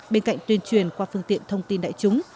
bên cạnh tuyên truyền qua phương tiện thông tin đại chúng